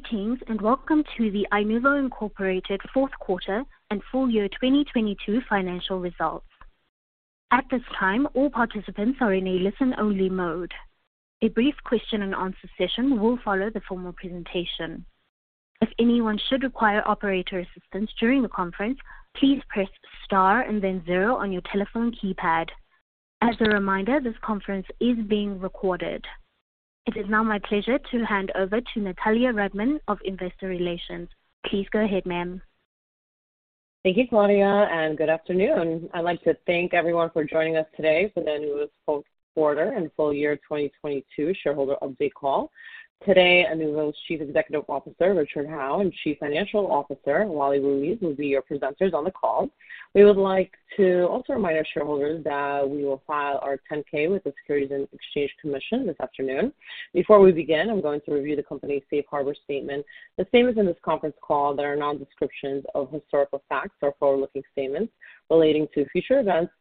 Greetings, and welcome to the Inuvo, Inc 4th quarter and full year 2022 financial results. At this time, all participants are in a listen-only mode. A brief question and answer session will follow the formal presentation. If anyone should require operator assistance during the conference, please press star and then zero on your telephone keypad. As a reminder, this conference is being recorded. It is now my pleasure to hand over to Natalya Rudman of Investor Relations. Please go ahead, ma'am. Thank you, Claudia, and good afternoon. I'd like to thank everyone for joining us today for Inuvo's fourth quarter and full year 2022 shareholder update call. Today, Inuvo's Chief Executive Officer, Richard Howe, and Chief Financial Officer, Wally Ruiz, will be your presenters on the call. We would like to also remind our shareholders that we will file our 10-K with the Securities and Exchange Commission this afternoon. Before we begin, I'm going to review the company's safe harbor statement. The statements in this conference call that are non-descriptions of historical facts or forward-looking statements relating to future events.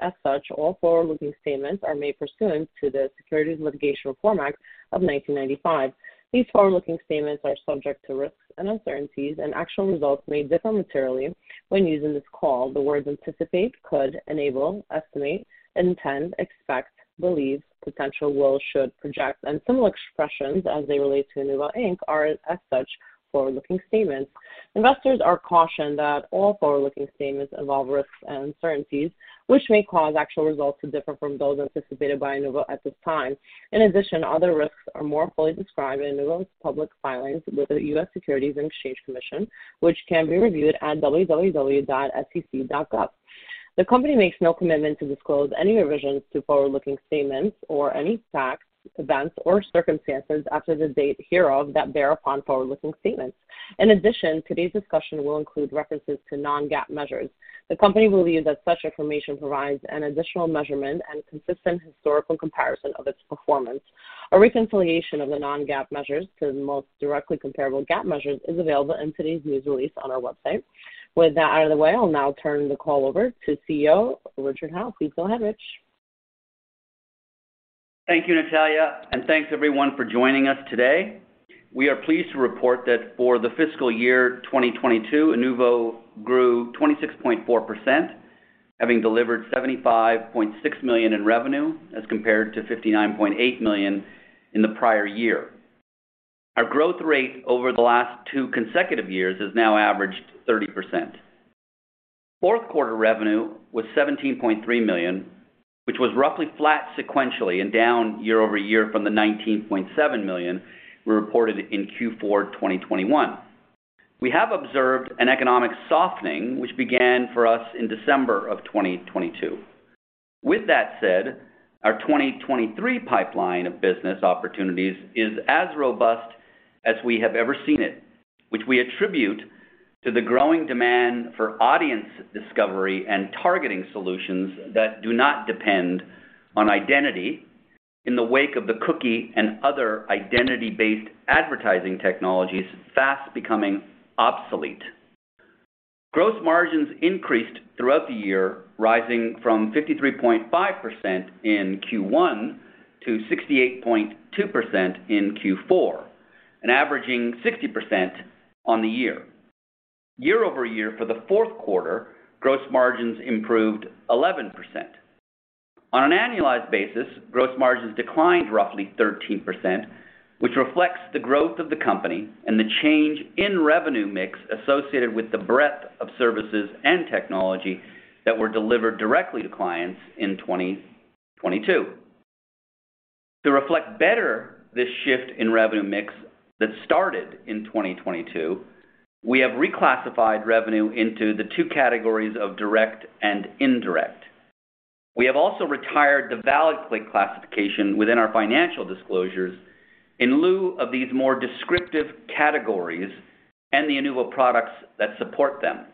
As such, all forward-looking statements are made pursuant to the Private Securities Litigation Reform Act of 1995. These forward-looking statements are subject to risks and uncertainties, and actual results may differ materially when using this call. The words anticipate, could, enable, estimate, intend, expect, believe, potential, will, should, project, and similar expressions as they relate to Inuvo Inc. are as such forward-looking statements. Investors are cautioned that all forward-looking statements involve risks and uncertainties, which may cause actual results to differ from those anticipated by Inuvo at this time. In addition, other risks are more fully described in Inuvo's public filings with the U.S. Securities and Exchange Commission, which can be reviewed at www.sec.gov. The company makes no commitment to disclose any revisions to forward-looking statements or any facts, events, or circumstances after the date hereof that bear upon forward-looking statements. In addition, today's discussion will include references to non-GAAP measures. The company believes that such information provides an additional measurement and consistent historical comparison of its performance. A reconciliation of the non-GAAP measures to the most directly comparable GAAP measures is available in today's news release on our website. With that out of the way, I'll now turn the call over to CEO, Richard Howe. Please go ahead, Rich. Thank you, Natalia, thanks everyone for joining us today. We are pleased to report that for the fiscal year 2022, Inuvo grew 26.4%, having delivered $75.6 million in revenue as compared to $59.8 million in the prior year. Our growth rate over the last two consecutive years has now averaged 30%. Fourth quarter revenue was $17.3 million, which was roughly flat sequentially and down year-over-year from the $19.7 million we reported in Q4 2021. We have observed an economic softening, which began for us in December of 2022. With that said, our 2023 pipeline of business opportunities is as robust as we have ever seen it, which we attribute to the growing demand for audience discovery and targeting solutions that do not depend on identity in the wake of the cookie and other identity-based advertising technologies fast becoming obsolete. Gross margins increased throughout the year, rising from 53.5% in Q1 to 68.2% in Q4, and averaging 60% on the year. Year-over-year for the fourth quarter, gross margins improved 11%. On an annualized basis, gross margins declined roughly 13%, which reflects the growth of the company and the change in revenue mix associated with the breadth of services and technology that were delivered directly to clients in 2022. To reflect better this shift in revenue mix that started in 2022, we have reclassified revenue into the two categories of direct and indirect. We have also retired the ValidClick classification within our financial disclosures in lieu of these more descriptive categories and the Inuvo products that support them.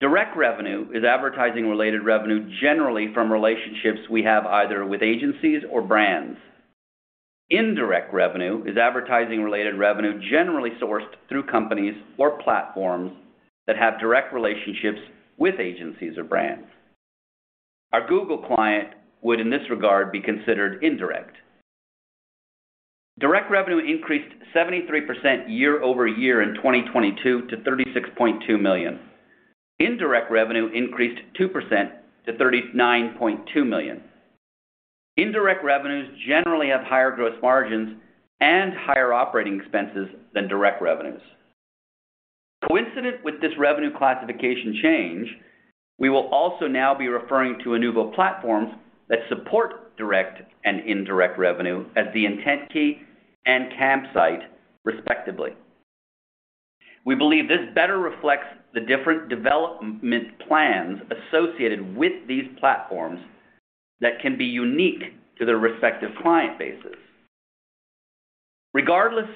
Direct revenue is advertising-related revenue generally from relationships we have either with agencies or brands. Indirect revenue is advertising-related revenue generally sourced through companies or platforms that have direct relationships with agencies or brands. Our Google client would, in this regard, be considered indirect. Direct revenue increased 73% year-over-year in 2022 to $36.2 million. Indirect revenue increased 2% to $39.2 million. Indirect revenues generally have higher gross margins and higher operating expenses than direct revenues. Coincident with this revenue classification change, we will also now be referring to Inuvo platforms that support direct and indirect revenue as the IntentKey and Campsight, respectively. We believe this better reflects the different development plans associated with these platforms that can be unique to their respective client bases. Regardless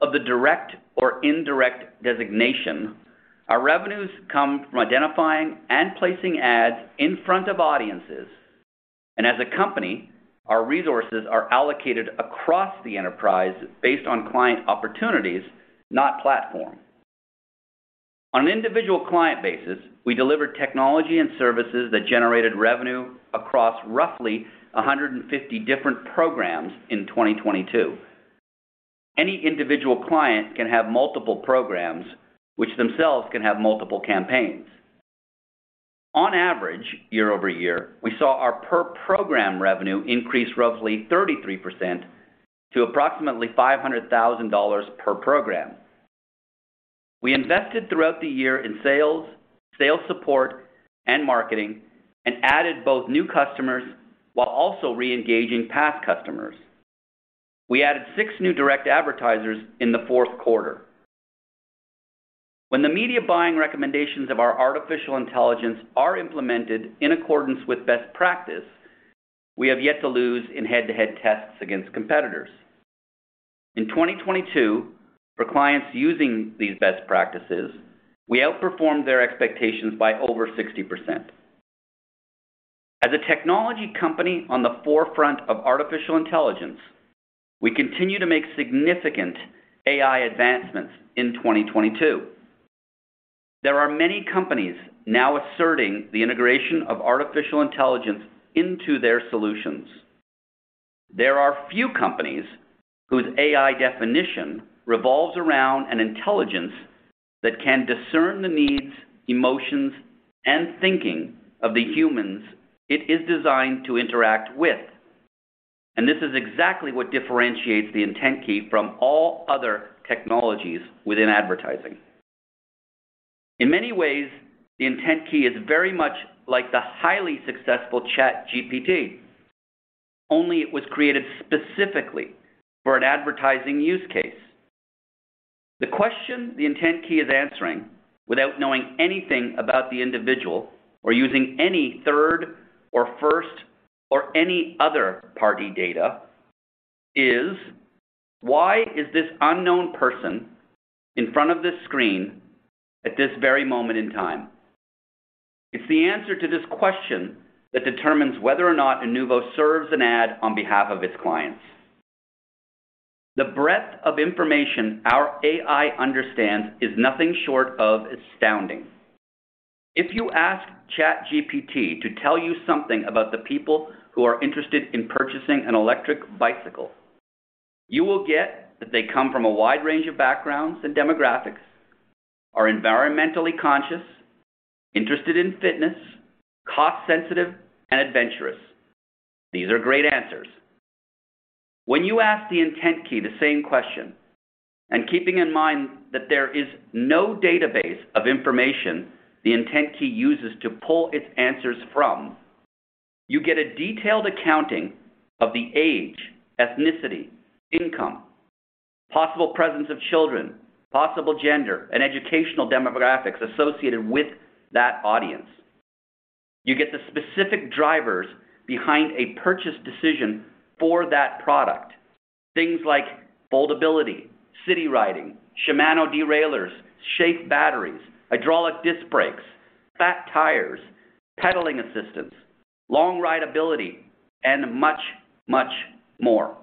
of the direct or indirect designation, our revenues come from identifying and placing ads in front of audiences. As a company, our resources are allocated across the enterprise based on client opportunities, not platform. On an individual client basis, we deliver technology and services that generated revenue across roughly 150 different programs in 2022. Any individual client can have multiple programs, which themselves can have multiple campaigns. On average, year-over-year, we saw our per program revenue increase roughly 33% to approximately $500,000 per program. We invested throughout the year in sales support, and marketing, and added both new customers while also re-engaging past customers. We added six new direct advertisers in the fourth quarter. When the media buying recommendations of our artificial intelligence are implemented in accordance with best practice, we have yet to lose in head-to-head tests against competitors. In 2022, for clients using these best practices, we outperformed their expectations by over 60%. As a technology company on the forefront of artificial intelligence, we continue to make significant AI advancements in 2022. There are many companies now asserting the integration of artificial intelligence into their solutions. There are few companies whose AI definition revolves around an intelligence that can discern the needs, emotions, and thinking of the humans it is designed to interact with. This is exactly what differentiates the IntentKey from all other technologies within advertising. In many ways, the IntentKey is very much like the highly successful ChatGPT. It was created specifically for an advertising use case. The question the IntentKey is answering without knowing anything about the individual or using any third or first or any other party data is: Why is this unknown person in front of this screen at this very moment in time? It's the answer to this question that determines whether or not Inuvo serves an ad on behalf of its clients. The breadth of information our AI understands is nothing short of astounding. If you ask ChatGPT to tell you something about the people who are interested in purchasing an electric bicycle, you will get that they come from a wide range of backgrounds and demographics, are environmentally conscious, interested in fitness, cost-sensitive, and adventurous. These are great answers. When you ask the IntentKey the same question, and keeping in mind that there is no database of information the IntentKey uses to pull its answers from, you get a detailed accounting of the age, ethnicity, income, possible presence of children, possible gender, and educational demographics associated with that audience. You get the specific drivers behind a purchase decision for that product. Things like foldability, city riding, Shimano derailleurs, Shafe batteries, hydraulic disc brakes, fat tires, pedaling assistance, long ride ability, and much, much more.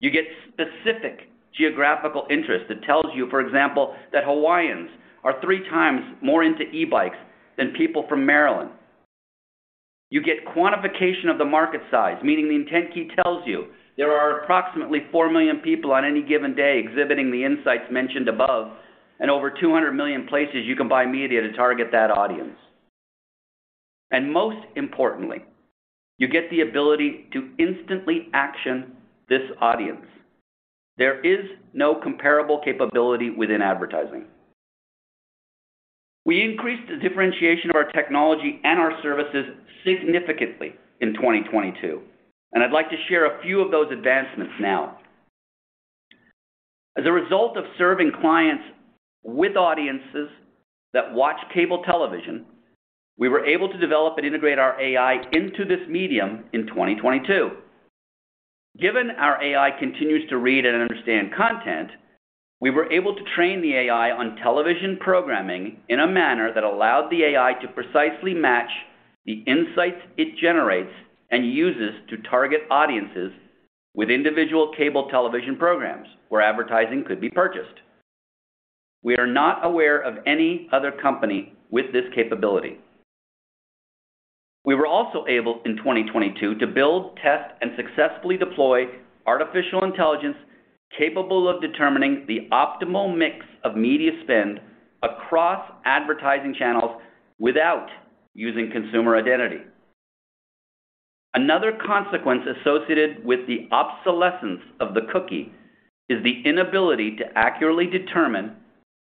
You get specific geographical interest that tells you, for example, that Hawaiians are 3 times more into e-bikes than people from Maryland. You get quantification of the market size, meaning the IntentKey tells you there are approximately 4 million people on any given day exhibiting the insights mentioned above, and over 200 million places you can buy media to target that audience. Most importantly, you get the ability to instantly action this audience. There is no comparable capability within advertising. We increased the differentiation of our technology and our services significantly in 2022, and I'd like to share a few of those advancements now. As a result of serving clients with audiences that watch cable television, we were able to develop and integrate our AI into this medium in 2022. Given our AI continues to read and understand content, we were able to train the AI on television programming in a manner that allowed the AI to precisely match the insights it generates and uses to target audiences with individual cable television programs where advertising could be purchased. We are not aware of any other company with this capability. We were also able in 2022 to build, test, and successfully deploy artificial intelligence capable of determining the optimal mix of media spend across advertising channels without using consumer identity. Another consequence associated with the obsolescence of the cookie is the inability to accurately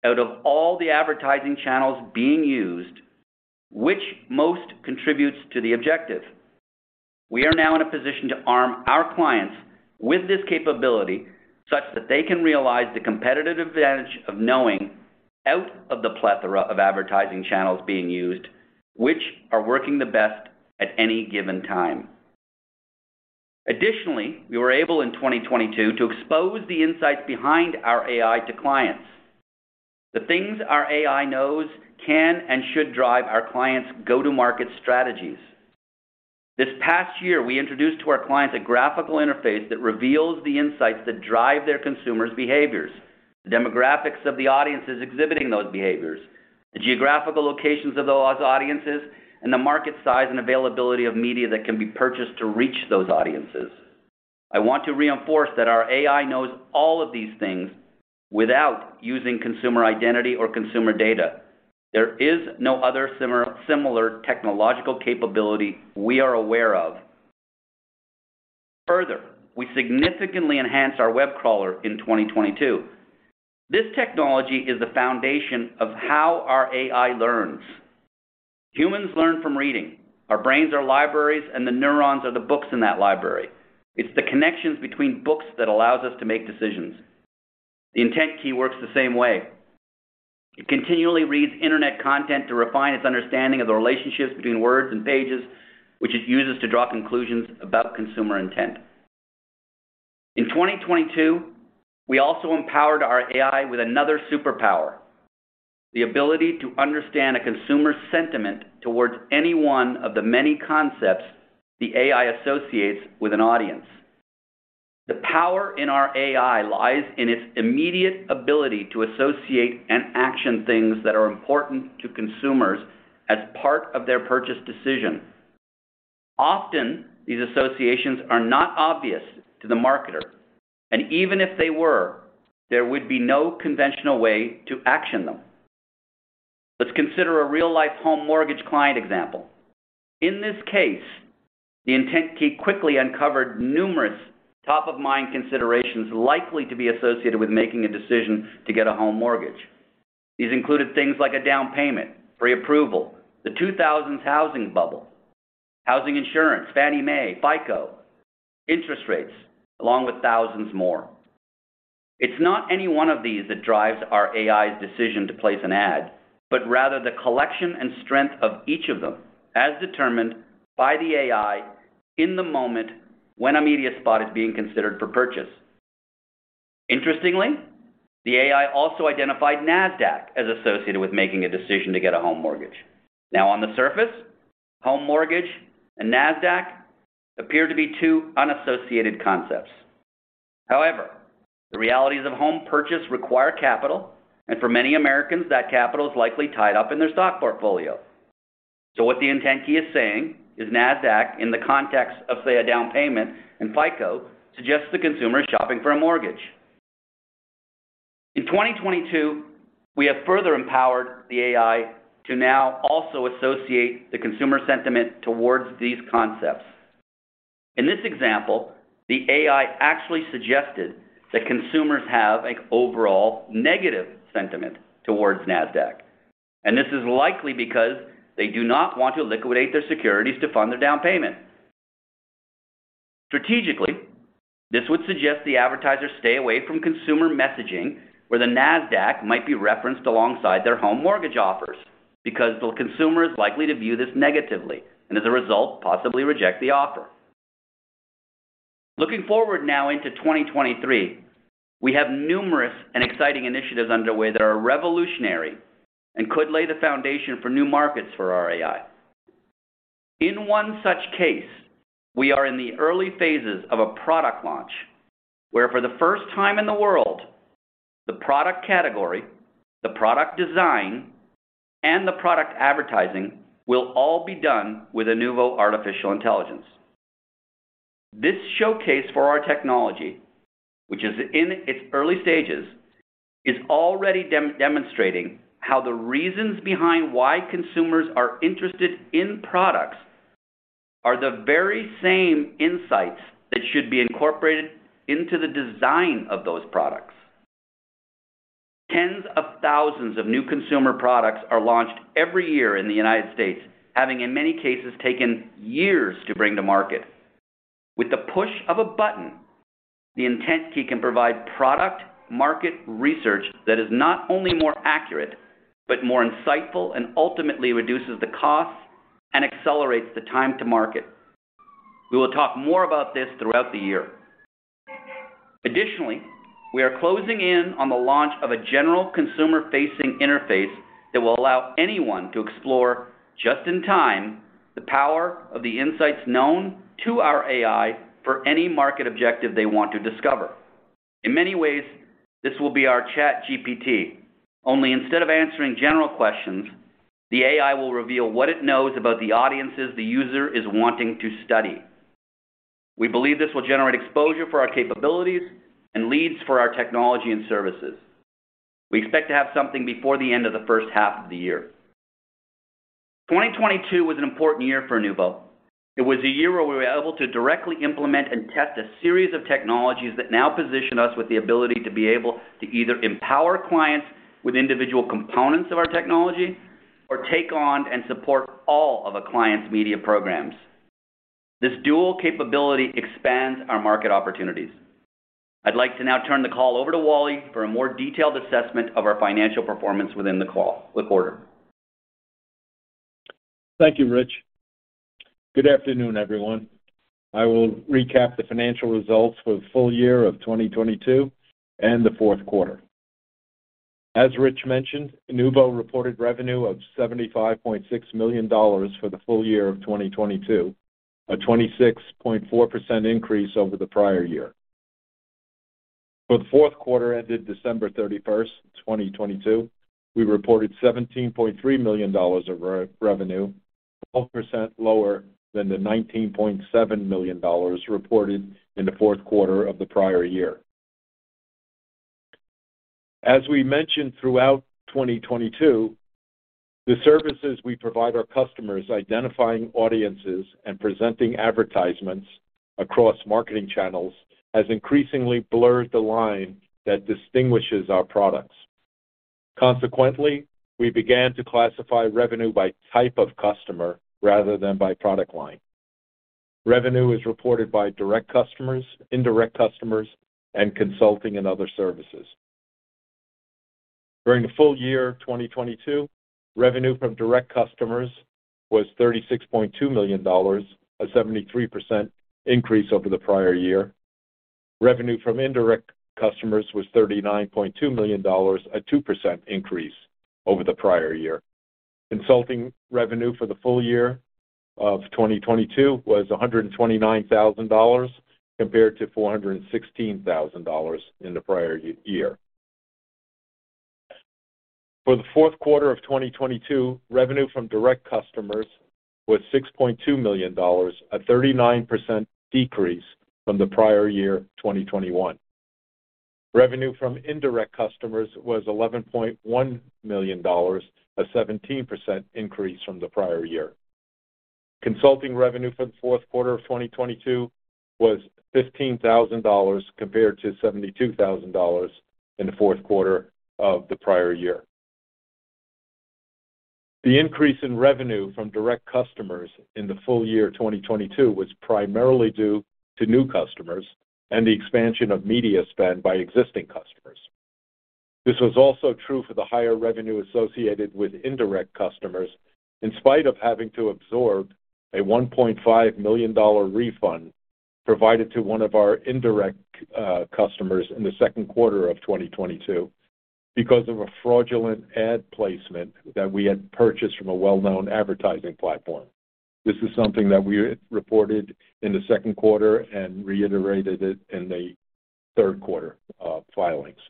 determine, out of all the advertising channels being used, which most contributes to the objective. We are now in a position to arm our clients with this capability such that they can realize the competitive advantage of knowing, out of the plethora of advertising channels being used, which are working the best at any given time. Additionally, we were able in 2022 to expose the insights behind our AI to clients. The things our AI knows can and should drive our clients' go-to-market strategies. This past year, we introduced to our clients a graphical interface that reveals the insights that drive their consumers' behaviors, the demographics of the audiences exhibiting those behaviors, the geographical locations of those audiences, and the market size and availability of media that can be purchased to reach those audiences. I want to reinforce that our AI knows all of these things without using consumer identity or consumer data. There is no other similar technological capability we are aware of. Further, we significantly enhanced our web crawler in 2022. This technology is the foundation of how our AI learns. Humans learn from reading. Our brains are libraries, and the neurons are the books in that library. It's the connections between books that allows us to make decisions. The IntentKey works the same way. It continually reads internet content to refine its understanding of the relationships between words and pages, which it uses to draw conclusions about consumer intent. In 2022, we also empowered our AI with another superpower, the ability to understand a consumer's sentiment towards any one of the many concepts the AI associates with an audience. The power in our AI lies in its immediate ability to associate and action things that are important to consumers as part of their purchase decision. Often, these associations are not obvious to the marketer, and even if they were, there would be no conventional way to action them. Let's consider a real-life home mortgage client example. In this case, the IntentKey quickly uncovered numerous top-of-mind considerations likely to be associated with making a decision to get a home mortgage. These included things like a down payment, pre-approval, the 2000s housing bubble, housing insurance, Fannie Mae, FICO, interest rates, along with thousands more. It's not any one of these that drives our AI's decision to place an ad, but rather the collection and strength of each of them, as determined by the AI in the moment when a media spot is being considered for purchase. Interestingly, the AI also identified Nasdaq as associated with making a decision to get a home mortgage. On the surface, home mortgage and Nasdaq appear to be two unassociated concepts. The realities of home purchase require capital, and for many Americans, that capital is likely tied up in their stock portfolio. What the IntentKey is saying is Nasdaq, in the context of, say, a down payment and FICO, suggests the consumer is shopping for a mortgage. In 2022, we have further empowered the AI to now also associate the consumer sentiment towards these concepts. In this example, the AI actually suggested that consumers have an overall negative sentiment towards Nasdaq, and this is likely because they do not want to liquidate their securities to fund their down payment. Strategically, this would suggest the advertiser stay away from consumer messaging where the Nasdaq might be referenced alongside their home mortgage offers because the consumer is likely to view this negatively and, as a result, possibly reject the offer. Looking forward now into 2023, we have numerous and exciting initiatives underway that are revolutionary and could lay the foundation for new markets for our AI. In one such case, we are in the early phases of a product launch where, for the first time in the world, the product category, the product design, and the product advertising will all be done with Inuvo artificial intelligence. This showcase for our technology, which is in its early stages, is already demonstrating how the reasons behind why consumers are interested in products are the very same insights that should be incorporated into the design of those products. Tens of thousands of new consumer products are launched every year in the United States, having in many cases taken years to bring to market. With the push of a button, the IntentKey can provide product market research that is not only more accurate, but more insightful and ultimately reduces the costs and accelerates the time to market. We will talk more about this throughout the year. Additionally, we are closing in on the launch of a general consumer-facing interface that will allow anyone to explore just in time the power of the insights known to our AI for any market objective they want to discover. In many ways, this will be our ChatGPT. Only instead of answering general questions, the AI will reveal what it knows about the audiences the user is wanting to study. We believe this will generate exposure for our capabilities and leads for our technology and services. We expect to have something before the end of the first half of the year. 2022 was an important year for Inuvo. It was a year where we were able to directly implement and test a series of technologies that now position us with the ability to be able to either empower clients with individual components of our technology or take on and support all of a client's media programs. This dual capability expands our market opportunities. I'd like to now turn the call over to Wally for a more detailed assessment of our financial performance within the quarter. Thank you, Rich. Good afternoon, everyone. I will recap the financial results for the full year of 2022 and the fourth quarter. As Rich mentioned, Inuvo reported revenue of $75.6 million for the full year of 2022, a 26.4% increase over the prior year. For the fourth quarter ended December 31, 2022, we reported $17.3 million of re-revenue, 12% lower than the $19.7 million reported in the fourth quarter of the prior year. As we mentioned throughout 2022, the services we provide our customers identifying audiences and presenting advertisements across marketing channels has increasingly blurred the line that distinguishes our products. Consequently, we began to classify revenue by type of customer rather than by product line. Revenue is reported by direct customers, indirect customers, and consulting and other services. During the full year of 2022, revenue from direct customers was $36.2 million, a 73% increase over the prior year. Revenue from indirect customers was $39.2 million, a 2% increase over the prior year. Consulting revenue for the full year of 2022 was $129,000 compared to $416,000 in the prior year. For the fourth quarter of 2022, revenue from direct customers was $6.2 million, a 39% decrease from the prior year, 2021. Revenue from indirect customers was $11.1 million, a 17% increase from the prior year. Consulting revenue for the fourth quarter of 2022 was $15,000 compared to $72,000 in the fourth quarter of the prior year. The increase in revenue from direct customers in the full year of 2022 was primarily due to new customers and the expansion of media spend by existing customers. This was also true for the higher revenue associated with indirect customers, in spite of having to absorb a $1.5 million refund provided to one of our indirect customers in the second quarter of 2022 because of a fraudulent ad placement that we had purchased from a well-known advertising platform. This is something that we had reported in the second quarter and reiterated it in the third quarter, filings.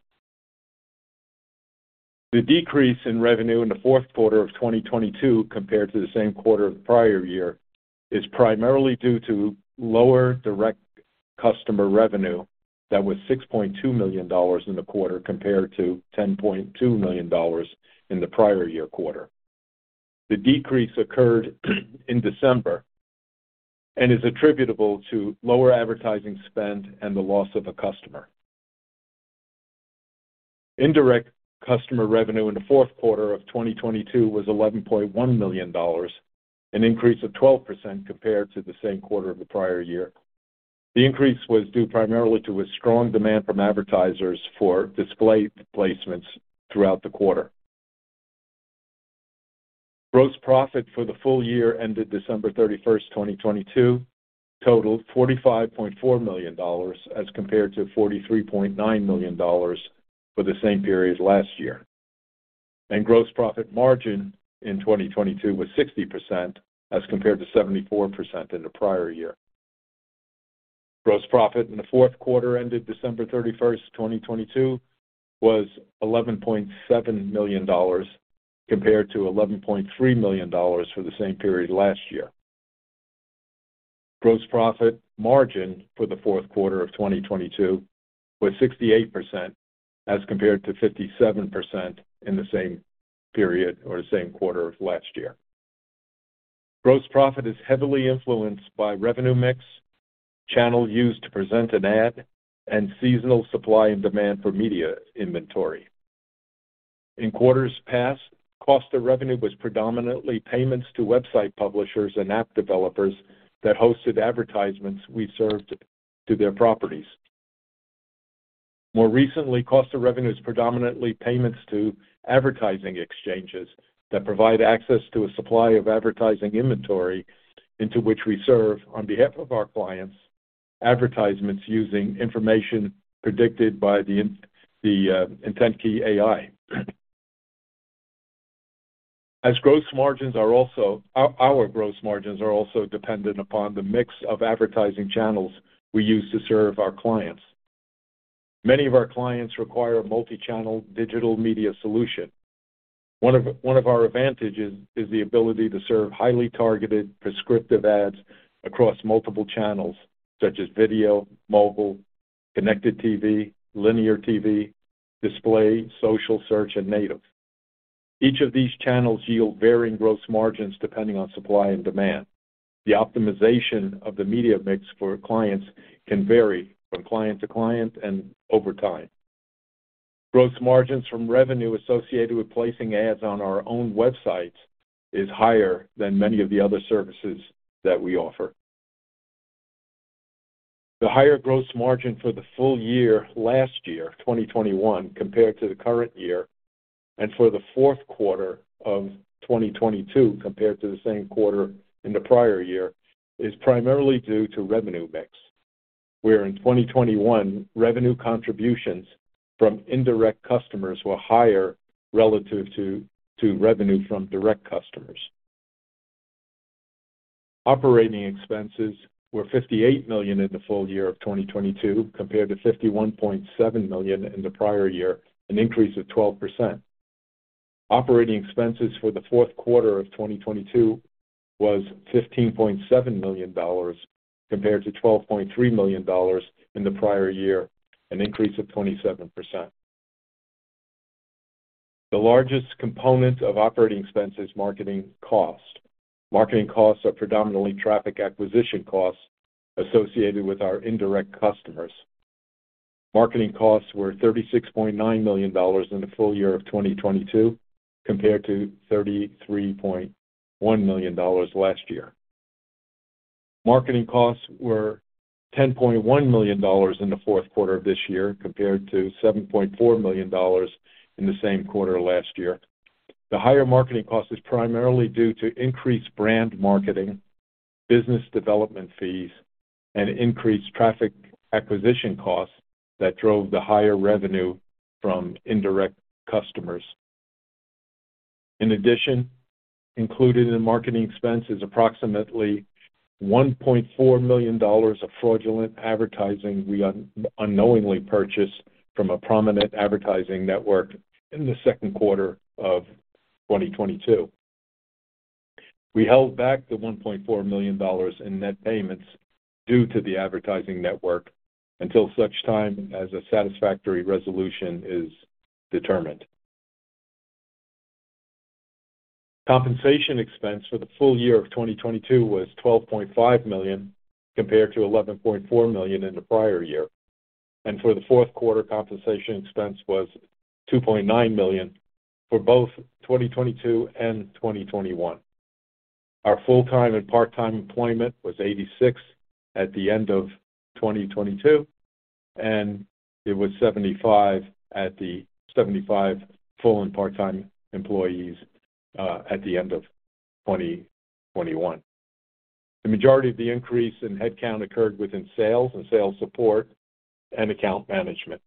The decrease in revenue in the fourth quarter of 2022 compared to the same quarter of the prior year is primarily due to lower direct customer revenue that was $6.2 million in the quarter compared to $10.2 million in the prior year quarter. The decrease occurred in December and is attributable to lower advertising spend and the loss of a customer. Indirect customer revenue in the fourth quarter of 2022 was $11.1 million, an increase of 12% compared to the same quarter of the prior year. The increase was due primarily to a strong demand from advertisers for display placements throughout the quarter. Gross profit for the full year ended December 31st, 2022 totaled $45.4 million as compared to $43.9 million for the same period last year. Gross profit margin in 2022 was 60% as compared to 74% in the prior year. Gross profit in the fourth quarter ended December 31st, 2022 was $11.7 million compared to $11.3 million for the same period last year. Gross profit margin for the fourth quarter of 2022 was 68% as compared to 57% in the same period or the same quarter of last year. Gross profit is heavily influenced by revenue mix, channel used to present an ad, and seasonal supply and demand for media inventory. In quarters past, cost of revenue was predominantly payments to website publishers and app developers that hosted advertisements we served to their properties. More recently, cost of revenue is predominantly payments to advertising exchanges that provide access to a supply of advertising inventory into which we serve on behalf of our clients, advertisements using information predicted by the IntentKey AI. Our gross margins are also dependent upon the mix of advertising channels we use to serve our clients. Many of our clients require a multi-channel digital media solution. One of our advantages is the ability to serve highly targeted prescriptive ads across multiple channels such as video, mobile, connected TV, linear TV, display, social search, and native. Each of these channels yield varying gross margins depending on supply and demand. The optimization of the media mix for clients can vary from client to client and over time. Gross margins from revenue associated with placing ads on our own websites is higher than many of the other services that we offer. The higher gross margin for the full year last year, 2021, compared to the current year, and for the fourth quarter of 2022 compared to the same quarter in the prior year, is primarily due to revenue mix. In 2021, revenue contributions from indirect customers were higher relative to revenue from direct customers. Operating expenses were $58 million in the full year of 2022, compared to $51.7 million in the prior year, an increase of 12%. Operating expenses for the fourth quarter of 2022 was $15.7 million compared to $12.3 million in the prior year, an increase of 27%. The largest component of operating expense is marketing cost. Marketing costs are predominantly traffic acquisition costs associated with our indirect customers. Marketing costs were $36.9 million in the full year of 2022 compared to $33.1 million last year. Marketing costs were $10.1 million in the fourth quarter of this year compared to $7.4 million in the same quarter last year. The higher marketing cost is primarily due to increased brand marketing, business development fees, and increased traffic acquisition costs that drove the higher revenue from indirect customers. Included in marketing expense is approximately $1.4 million of fraudulent advertising we unknowingly purchased from a prominent advertising network in the second quarter of 2022. We held back the $1.4 million in net payments due to the advertising network until such time as a satisfactory resolution is determined. Compensation expense for the full year of 2022 was $12.5 million compared to $11.4 million in the prior year. For the fourth quarter, compensation expense was $2.9 million for both 2022 and 2021. Our full-time and part-time employment was 86 at the end of 2022, and it was 75 full and part-time employees at the end of 2021. The majority of the increase in headcount occurred within sales and sales support and account management.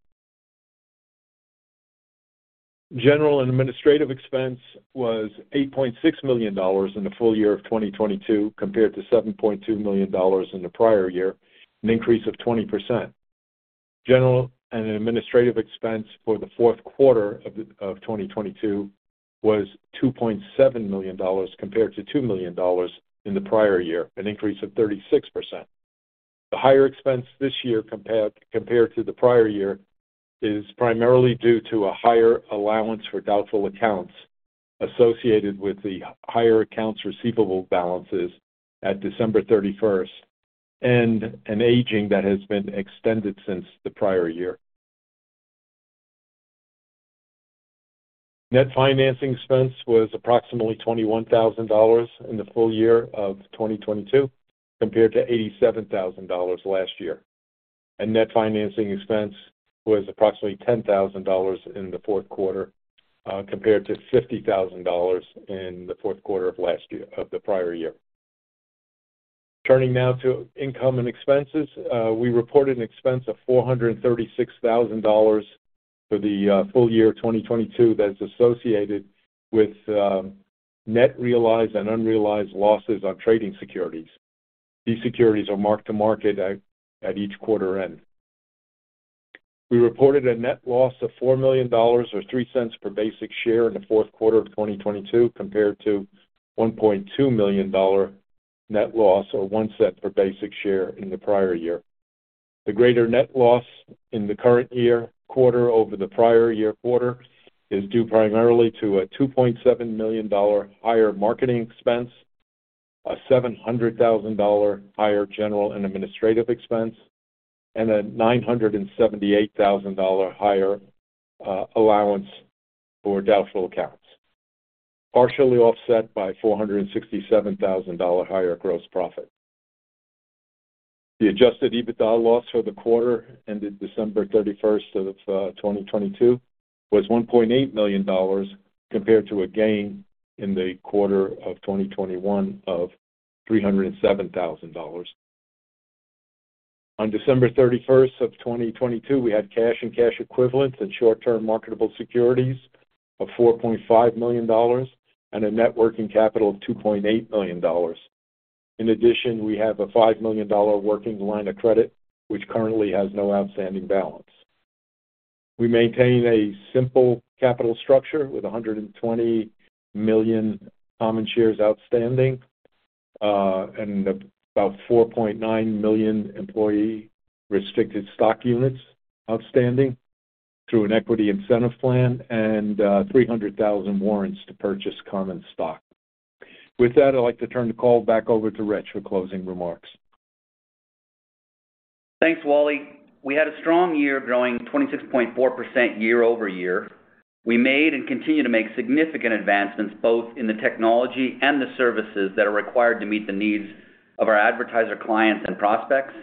General and administrative expense was $8.6 million in the full year of 2022 compared to $7.2 million in the prior year, an increase of 20%. General and administrative expense for the fourth quarter of 2022 was $2.7 million compared to $2 million in the prior year, an increase of 36%. The higher expense this year compared to the prior year is primarily due to a higher allowance for doubtful accounts associated with the higher accounts receivable balances at December 31st and an aging that has been extended since the prior year. Net financing expense was approximately $21,000 in the full year of 2022 compared to $87,000 last year. Net financing expense was approximately $10,000 in the fourth quarter compared to $50,000 in the fourth quarter of the prior year. Turning now to income and expenses. We reported an expense of $436,000 for the full year 2022 that's associated with net realized and unrealized losses on trading securities. These securities are marked to market at each quarter end. We reported a net loss of $4 million or $0.03 per basic share in the fourth quarter of 2022 compared to $1.2 million net loss or $0.01 per basic share in the prior year. The greater net loss in the current year quarter over the prior year quarter is due primarily to a $2.7 million higher marketing expense, a $700,000 higher general and administrative expense, and a $978,000 higher allowance for doubtful accounts, partially offset by $467,000 higher gross profit. The adjusted EBITDA loss for the quarter ended December 31st of 2022 was $1.8 million compared to a gain in the quarter of 2021 of $307,000. On December 31st of 2022, we had cash and cash equivalents and short-term marketable securities of $4.5 million and a net working capital of $2.8 million. In addition, we have a $5 million working line of credit, which currently has no outstanding balance. We maintain a simple capital structure with 120 million common shares outstanding and about 4.9 million employee restricted stock units outstanding through an equity incentive plan and 300,000 warrants to purchase common stock. With that, I'd like to turn the call back over to Rich for closing remarks. Thanks, Wally. We had a strong year growing 26.4% year-over-year. We made and continue to make significant advancements both in the technology and the services that are required to meet the needs of our advertiser clients and prospects.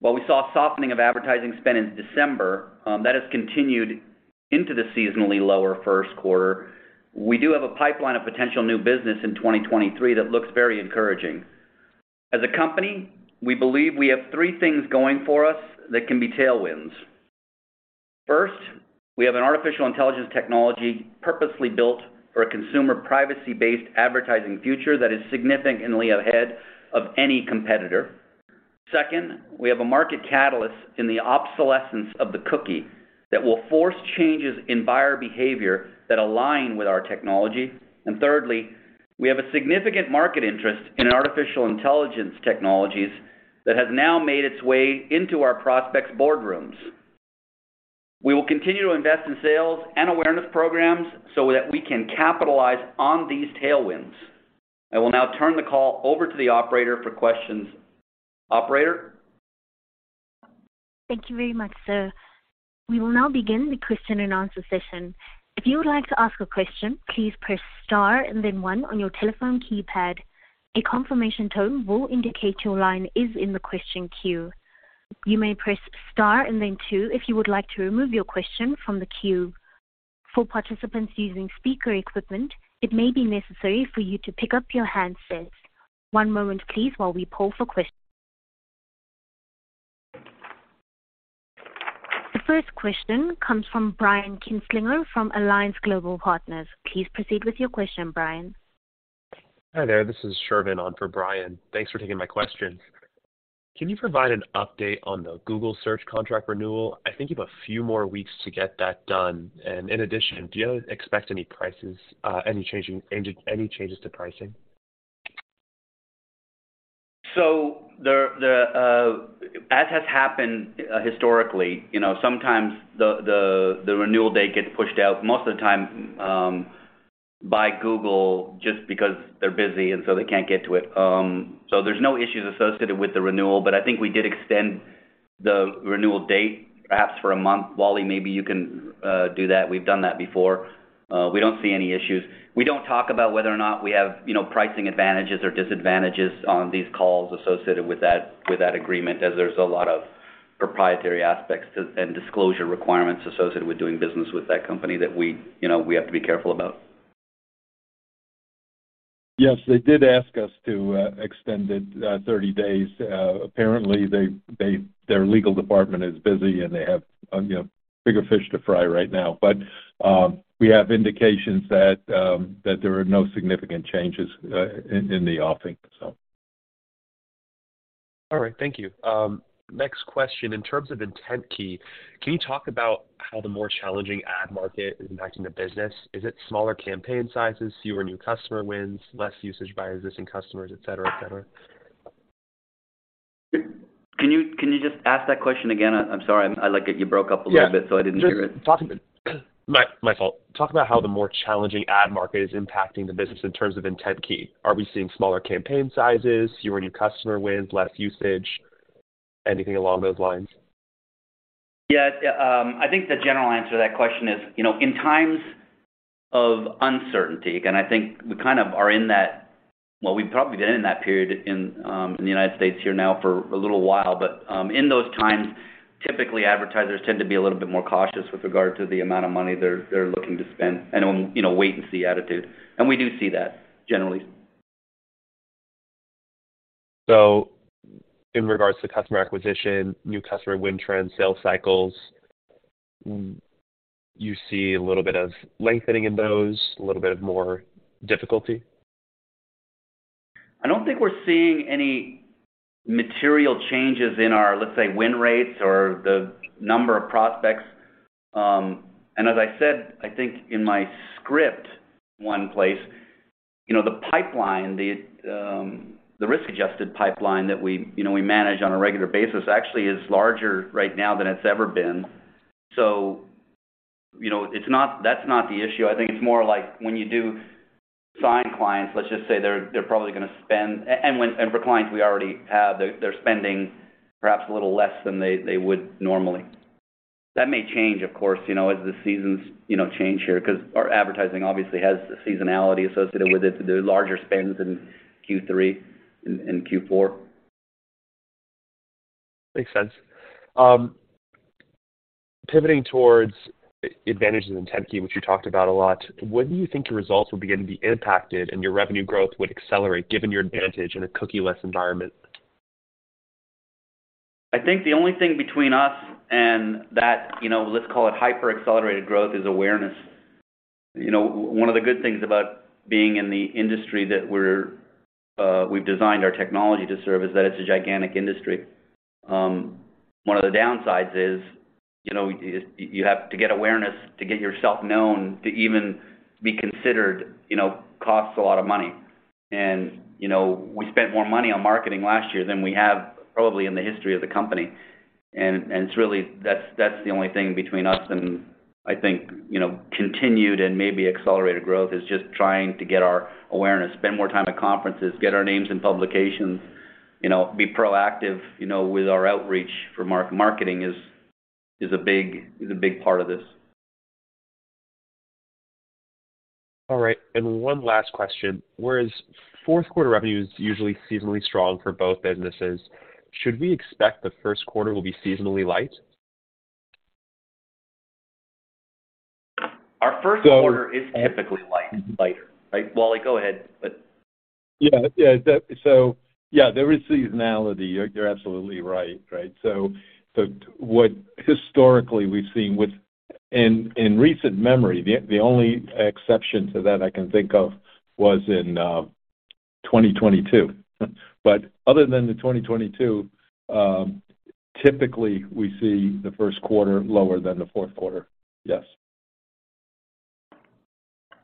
While we saw a softening of advertising spend in December, that has continued into the seasonally lower first quarter. We do have a pipeline of potential new business in 2023 that looks very encouraging. As a company, we believe we have three things going for us that can be tailwinds. First, we have an artificial intelligence technology purposely built for a consumer privacy-based advertising future that is significantly ahead of any competitor. Second, we have a market catalyst in the obsolescence of the cookie that will force changes in buyer behavior that align with our technology. Thirdly, we have a significant market interest in artificial intelligence technologies that has now made its way into our prospects' boardrooms. We will continue to invest in sales and awareness programs so that we can capitalize on these tailwinds. I will now turn the call over to the operator for questions. Operator? Thank you very much, sir. We will now begin the question-and-answer session. If you would like to ask a question, please press star and then one on your telephone keypad. A confirmation tone will indicate your line is in the question queue. You may press star and then two if you would like to remove your question from the queue. For participants using speaker equipment, it may be necessary for you to pick up your handsets. One moment please while we poll for questions. The first question comes from Brian Kinstlinger from Alliance Global Partners. Please proceed with your question, Brian. Hi there. This is Shervin on for Brian. Thanks for taking my questions. Can you provide an update on the Google Search contract renewal? I think you have a few more weeks to get that done. In addition, do you expect any prices, any changes to pricing? The, as has happened historically, you know, sometimes the renewal date gets pushed out most of the time, by Google, just because they're busy and so they can't get to it. There's no issues associated with the renewal, but I think we did extend the renewal date, perhaps for a month. Wally, maybe you can do that. We've done that before. We don't see any issues. We don't talk about whether or not we have, you know, pricing advantages or disadvantages on these calls associated with that, with that agreement, as there's a lot of proprietary and disclosure requirements associated with doing business with that company that we, you know, we have to be careful about. Yes, they did ask us to extend it 30 days. Apparently they their legal department is busy, and they have, you know, bigger fish to fry right now. We have indications that there are no significant changes in the offing, so. All right, thank you. Next question. In terms of IntentKey, can you talk about how the more challenging ad market is impacting the business? Is it smaller campaign sizes, fewer new customer wins, less usage by existing customers, et cetera, et cetera? Can you just ask that question again? I'm sorry. You broke up a little bit, so I didn't hear it. Yeah. My fault. Talk about how the more challenging ad market is impacting the business in terms of IntentKey. Are we seeing smaller campaign sizes, fewer new customer wins, less usage, anything along those lines? Yeah. I think the general answer to that question is, you know, in times of uncertainty, again, I think we've probably been in that period in the United States here now for a little while, but in those times, typically advertisers tend to be a little bit more cautious with regard to the amount of money they're looking to spend and, you know, wait and see attitude. We do see that generally. In regards to customer acquisition, new customer win trends, sales cycles, you see a little bit of lengthening in those, a little bit of more difficulty? I don't think we're seeing any material changes in our, let's say, win rates or the number of prospects. As I said, I think in my script one place, you know, the pipeline, the risk-adjusted pipeline that we, you know, we manage on a regular basis actually is larger right now than it's ever been. You know, that's not the issue. I think it's more like when you do sign clients, let's just say they're probably gonna spend. For clients we already have, they're spending perhaps a little less than they would normally. That may change, of course, you know, as the seasons, you know, change here, 'cause our advertising obviously has seasonality associated with it, the larger spends in Q3 and Q4. Makes sense. Pivoting towards advantages in IntentKey, which you talked about a lot, when do you think your results will begin to be impacted and your revenue growth would accelerate given your advantage in a cookie-less environment? I think the only thing between us and that, you know, let's call it hyper-accelerated growth, is awareness. You know, one of the good things about being in the industry that we've designed our technology to serve is that it's a gigantic industry. One of the downsides is, you know, you have to get awareness to get yourself known to even be considered, you know, costs a lot of money. You know, we spent more money on marketing last year than we have probably in the history of the company. It's really that's the only thing between us and I think, you know, continued and maybe accelerated growth is just trying to get our awareness, spend more time at conferences, get our names in publications, you know, be proactive, you know, with our outreach for marketing is a big part of this. All right. One last question. Whereas fourth quarter revenue is usually seasonally strong for both businesses, should we expect the first quarter will be seasonally light? Our first quarter is typically light, lighter. Right, Wally, go ahead. Yeah. Yeah. Yeah, there is seasonality. You're absolutely right. Right. What historically we've seen In recent memory, the only exception to that I can think of was in 2022. Other than the 2022, typically we see the first quarter lower than the fourth quarter. Yes.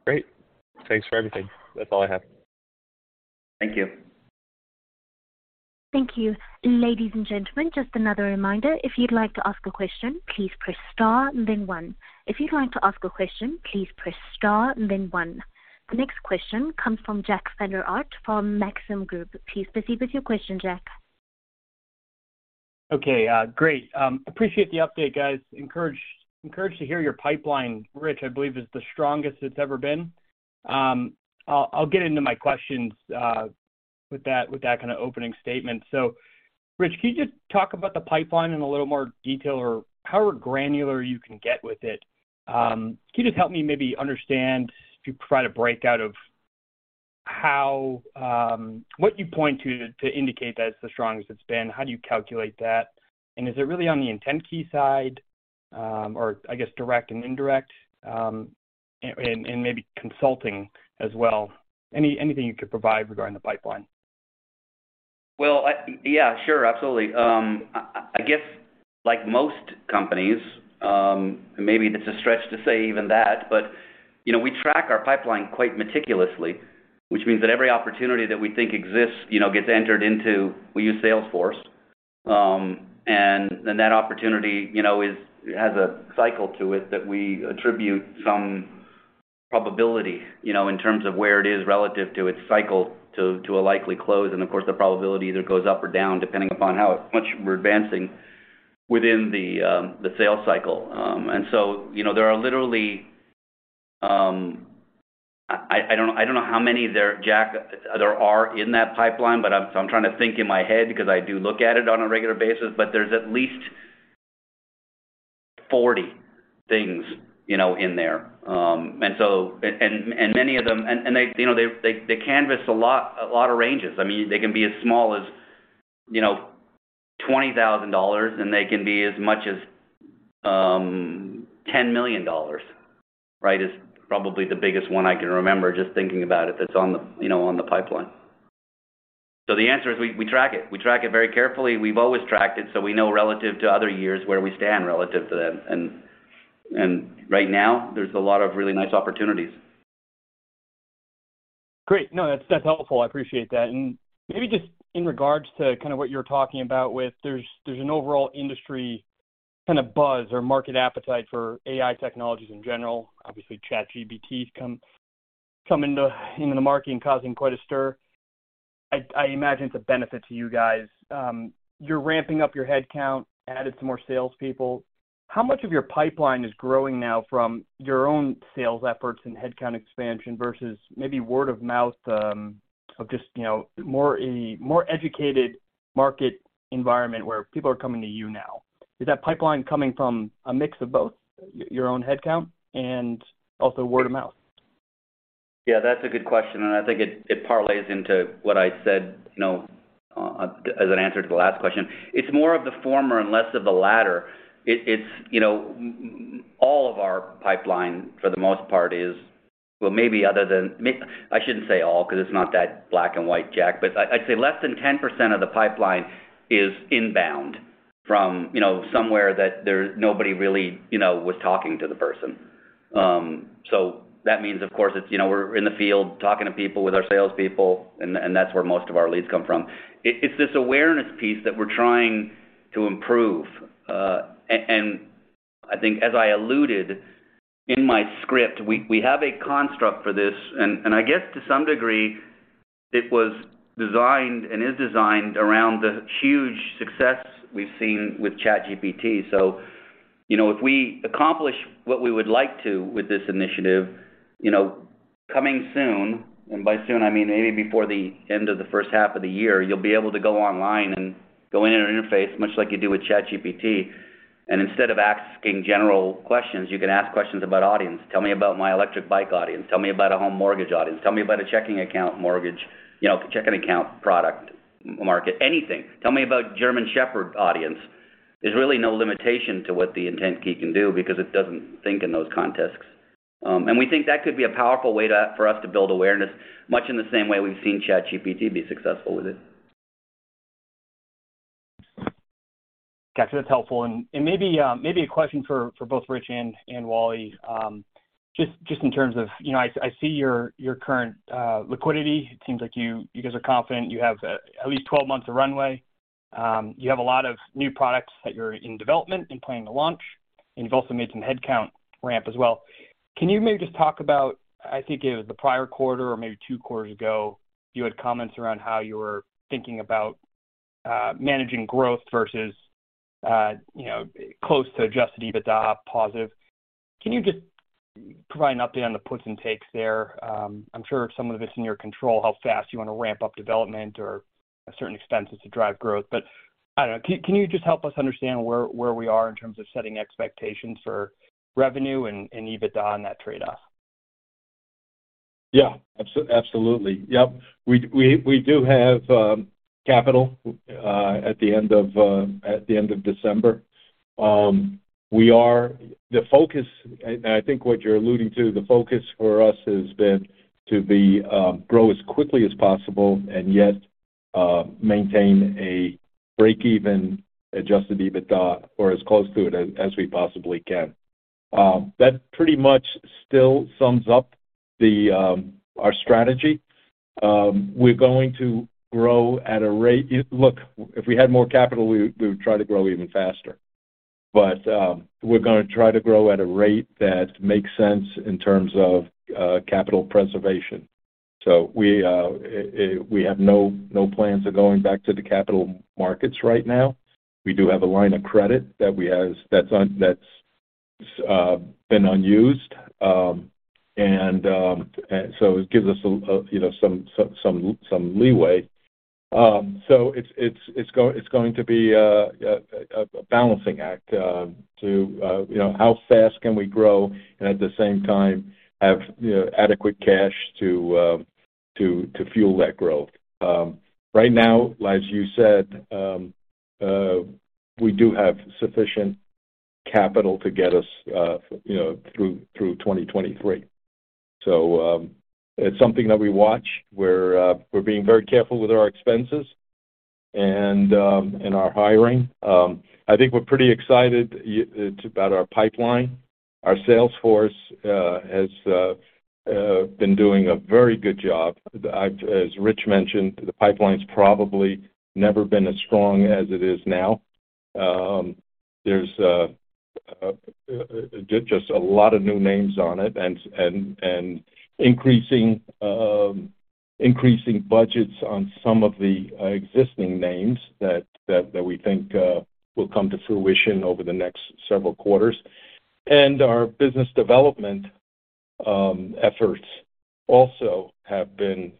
Great. Thanks for everything. That's all I have. Thank you. Thank you. Ladies and gentlemen, just another reminder. If you'd like to ask a question, please press star then one. If you'd like to ask a question, please press star then one. The next question comes from Jack Vander Aarde from Maxim Group. Please proceed with your question, Jack. Okay, great. Appreciate the update, guys. Encouraged to hear your pipeline, Rich, I believe is the strongest it's ever been. I'll get into my questions with that kind of opening statement. Rich, can you just talk about the pipeline in a little more detail or however granular you can get with it? Can you just help me maybe understand if you provide a breakout of how what you point to indicate that it's the strongest it's been? How do you calculate that? Is it really on the IntentKey side, or I guess direct and indirect, and maybe consulting as well? Anything you could provide regarding the pipeline. Well, yeah, sure. Absolutely. I guess like most companies, maybe it's a stretch to say even that, but, you know, we track our pipeline quite meticulously, which means that every opportunity that we think exists, you know, gets entered into, we use Salesforce. That opportunity, you know, has a cycle to it that we attribute some probability, you know, in terms of where it is relative to its cycle to a likely close. Of course, the probability either goes up or down, depending upon how much we're advancing within the sales cycle. So, you know, there are literally—I don't know how many there, Jack, there are in that pipeline, but I'm trying to think in my head because I do look at it on a regular basis, but there's at least 40 things, you know, in there. They, you know, canvas a lot, a lot of ranges. I mean, they can be as small as, you know, $20,000, and they can be as much as $10 million, right? Is probably the biggest one I can remember, just thinking about it, that's on the, you know, on the pipeline. The answer is we track it. We track it very carefully. We've always tracked it, so we know relative to other years where we stand relative to them. Right now, there's a lot of really nice opportunities. Great. No, that's helpful. I appreciate that. Maybe just in regards to kind of what you're talking about with there's an overall industry kind of buzz or market appetite for AI technologies in general. Obviously, ChatGPT's come into the market and causing quite a stir. I imagine it's a benefit to you guys. You're ramping up your headcount, added some more salespeople. How much of your pipeline is growing now from your own sales efforts and headcount expansion versus maybe word of mouth of just, you know, a more educated market environment where people are coming to you now? Is that pipeline coming from a mix of both, your own headcount and also word of mouth? That's a good question. I think it parlays into what I said, you know, as an answer to the last question. It's more of the former and less of the latter. It's, you know, all of our pipeline for the most part is—well, maybe other than I shouldn't say all because it's not that black and white, Jack, I'd say less than 10% of the pipeline is inbound from, you know, somewhere that nobody really, you know, was talking to the person. That means, of course, it's, you know, we're in the field talking to people with our salespeople, and that's where most of our leads come from. It's this awareness piece that we're trying to improve. And I think as I alluded in my script, we have a construct for this. I guess to some degree, it was designed and is designed around the huge success we've seen with ChatGPT. You know, if we accomplish what we would like to with this initiative, you know, coming soon, and by soon, I mean maybe before the end of the first half of the year, you'll be able to go online and go in an interface, much like you do with ChatGPT. Instead of asking general questions, you can ask questions about audience. Tell me about my electric bike audience. Tell me about a home mortgage audience. Tell me about a checking account mortgage, you know, checking account product market, anything. Tell me about German Shepherd audience. There's really no limitation to what the IntentKey can do because it doesn't think in those contexts. We think that could be a powerful way for us to build awareness, much in the same way we've seen ChatGPT be successful with it. Gotcha. That's helpful. Maybe a question for both Rich and Wally. Just in terms of, you know, I see your current liquidity. It seems like you guys are confident. You have at least 12 months of runway. You have a lot of new products that you're in development and planning to launch, and you've also made some headcount ramp as well. Can you maybe just talk about, I think it was the prior quarter or maybe 2 quarters ago, you had comments around how you were thinking about managing growth versus, you know, close to adjusted EBITDA positive. Can you just provide an update on the puts and takes there? I'm sure some of it's in your control, how fast you wanna ramp up development or certain expenses to drive growth. I don't know, can you just help us understand where we are in terms of setting expectations for revenue and EBITDA and that trade-off? Yeah, absolutely. Yep. We do have capital at the end of December. The focus, and I think what you're alluding to, the focus for us has been to be, grow as quickly as possible and yet, maintain a break-even adjusted EBITDA or as close to it as we possibly can. That pretty much still sums up the, our strategy. We're going to grow at a rate. Look, if we had more capital, we would try to grow even faster. We're gonna try to grow at a rate that makes sense in terms of capital preservation. We have no plans of going back to the capital markets right now. We do have a line of credit that we has—that's been unused. It gives us a, you know, some leeway. It's going to be a balancing act, to, you know, how fast can we grow and at the same time have, you know, adequate cash to fuel that growth. Right now, as you said, we do have sufficient capital to get us, you know, through 2023. It's something that we watch. We're being very careful with our expenses and our hiring. I think we're pretty excited about our pipeline. Our Salesforce has been doing a very good job. As Rich mentioned, the pipeline's probably never been as strong as it is now. There's just a lot of new names on it and increasing budgets on some of the existing names that we think will come to fruition over the next several quarters. Our business development efforts also have been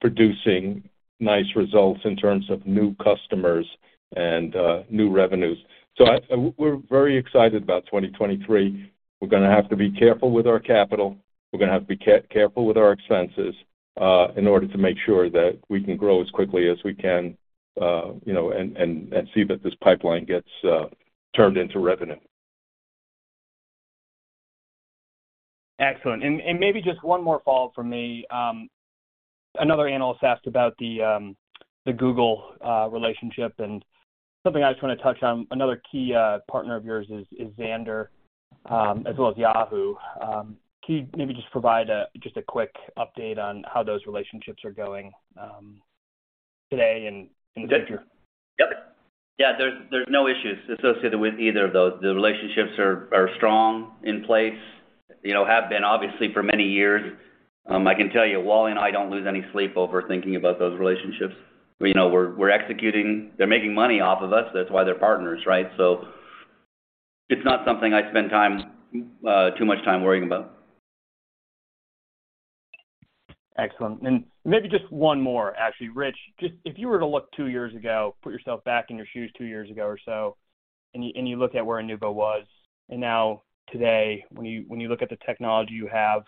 producing nice results in terms of new customers and new revenues. We're very excited about 2023. We're gonna have to be careful with our capital. We're gonna have to be careful with our expenses in order to make sure that we can grow as quickly as we can, you know, and see that this pipeline gets turned into revenue. Excellent. Maybe just one more follow-up from me. Another analyst asked about the Google relationship and something I just wanna touch on. Another key partner of yours is Xandr, as well as Yahoo. Can you maybe just provide a quick update on how those relationships are going today and in the future? Sure. Yep. Yeah, there's no issues associated with either of those. The relationships are strong, in place, you know, have been obviously for many years. I can tell you, Wally and I don't lose any sleep over thinking about those relationships. You know, we're executing. They're making money off of us, that's why they're partners, right? It's not something I spend time, too much time worrying about. Excellent. Maybe just one more, actually. Rich, just if you were to look two years ago, put yourself back in your shoes two years ago or so, and you look at where Inuvo was, and now today when you look at the technology you have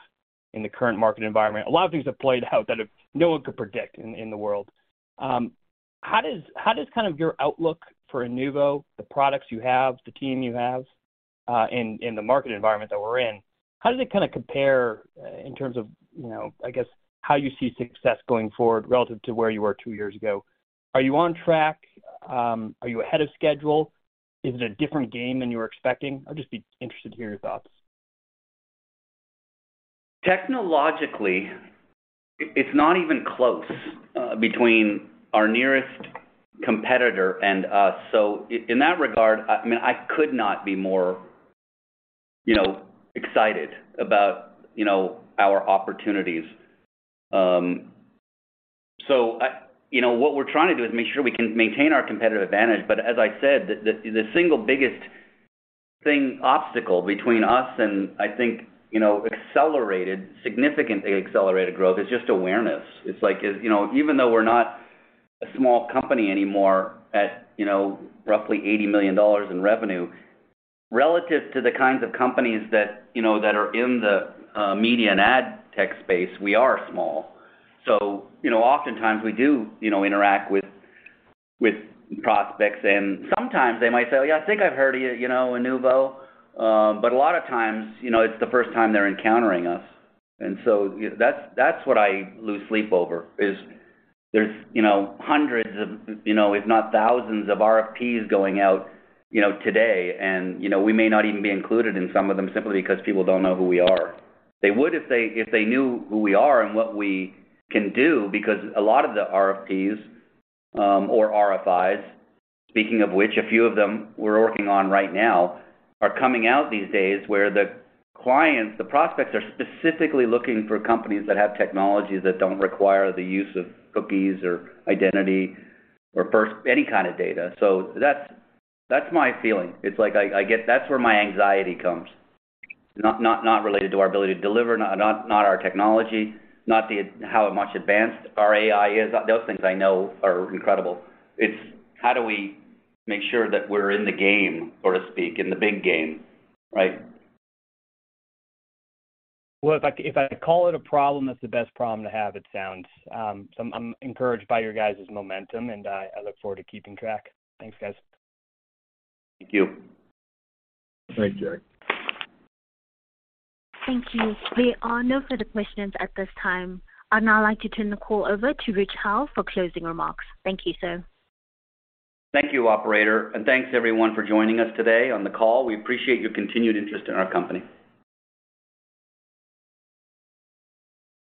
in the current market environment, a lot of things have played out that have no one could predict in the world. How does kind of your outlook for Inuvo, the products you have, the team you have, in the market environment that we're in, how does it kinda compare, in terms of, you know, I guess, how you see success going forward relative to where you were two years ago? Are you on track? Are you ahead of schedule? Is it a different game than you were expecting? I'd just be interested to hear your thoughts. Technologically, it's not even close between our nearest competitor and us. In that regard, I mean, I could not be more, you know, excited about, you know, our opportunities. You know, what we're trying to do is make sure we can maintain our competitive advantage. As I said, the single biggest thing, obstacle between us and I think, you know, accelerated, significantly accelerated growth is just awareness. It's like, you know, even though we're not a small company anymore at, you know, roughly $80 million in revenue, relative to the kinds of companies that, you know, that are in the media and ad tech space, we are small. Oftentimes, you know, we do, you know, interact with prospects, and sometimes they might say, "Yeah, I think I've heard of you know, Inuvo." A lot of times, you know, it's the first time they're encountering us. That's, that's what I lose sleep over, is there's, you know, hundreds of, you know, if not thousands of RFPs going out, you know, today. You know, we may not even be included in some of them simply because people don't know who we are. They would if they knew who we are and what we can do because a lot of the RFPs or RFIs, speaking of which, a few of them we're working on right now, are coming out these days where the clients, the prospects are specifically looking for companies that have technology that don't require the use of cookies or identity or first any kind of data. That's my feeling. It's like I get. That's where my anxiety comes. Not related to our ability to deliver, not our technology, not the how much advanced our AI is. Those things I know are incredible. It's how do we make sure that we're in the game, so to speak, in the big game, right? Well, if I call it a problem, that's the best problem to have, it sounds. I'm encouraged by your guys' momentum, and I look forward to keeping track. Thanks, guys. Thank you. Thanks, Jack. Thank you. We are all done for the questions at this time. I'd now like to turn the call over to Rich Howe for closing remarks. Thank you, sir. Thank you, operator. Thanks everyone for joining us today on the call. We appreciate your continued interest in our company.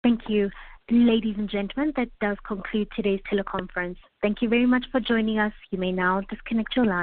Thank you. Ladies and gentlemen, that does conclude today's teleconference. Thank you very much for joining us. You may now disconnect your line.